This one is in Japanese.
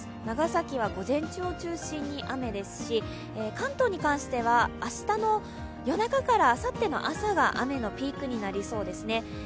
長崎は午前中を中心に雨ですし、関東に関しては明日の夜中からあさっての朝が雨のピークになりそうですね。